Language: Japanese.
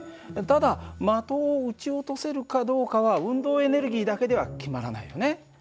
ただ的を撃ち落とせるかどうかは運動エネルギーだけでは決まらないよね。